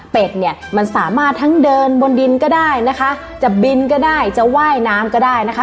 เนี่ยมันสามารถทั้งเดินบนดินก็ได้นะคะจะบินก็ได้จะว่ายน้ำก็ได้นะคะ